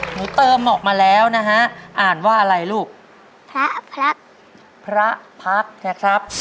หนูเติมออกมาแล้วนะฮะอ่านว่าอะไรลูกพระพระนะครับ